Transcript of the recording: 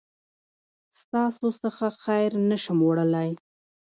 ستاسو څخه خير نسم وړلای